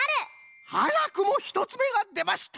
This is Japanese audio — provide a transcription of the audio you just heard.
はやくも１つめがでました！